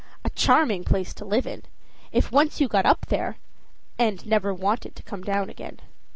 A charming place to live in! if you once got up there, and never wanted to come down again.